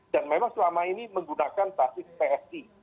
dan memang selama ini menggunakan taktik psi